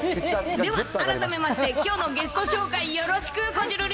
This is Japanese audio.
では改めまして、きょうのゲスト紹介よろしく、こじるり。